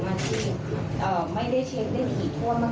อย่างที่ไม่ได้เช็คได้ทีท่วดมาก